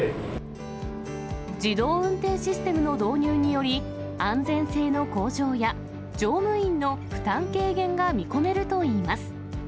自動運転システムの導入により、安全性の向上や、乗務員の負担軽減が見込めるということです。